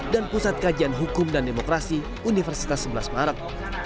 dan pusat kajian hukum dan demokrasi universitas sebelas maret